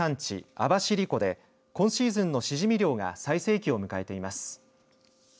網走湖で今シーズンのシジミ漁が最盛期を迎えています。